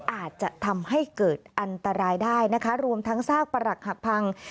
อาจจะทำให้เกิดอันตรายได้นะคะรวมทั้งซากประหลักหักพัง